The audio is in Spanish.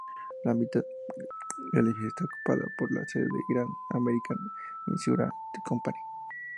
La mitad del edificio está ocupada por la sede de Great American Insurance Company.